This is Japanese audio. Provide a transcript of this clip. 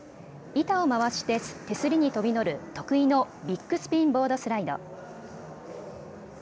板を回して手すりに飛び乗る得意のビッグスピンボードスライド。